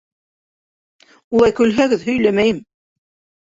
Улай көлһәгеҙ, һөйләмәйем.